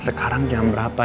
sekarang jam berapa